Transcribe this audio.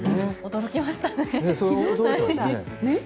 驚きましたね。